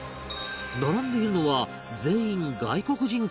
並んでいるのは全員外国人観光客